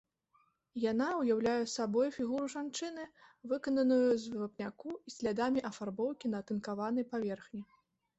Яна ўяўляе сабой фігуру жанчыны, выкананую з вапняку і слядамі афарбоўкі на атынкаванай паверхні.